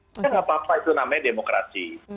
kita nggak apa apa itu namanya demokrasi